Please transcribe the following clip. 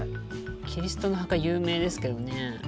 キリストの墓有名ですけどね。